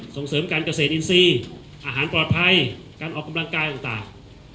ส่งเสริมการเกษตรอินทรีย์อาหารปลอดภัยการออกกำลังกายต่าง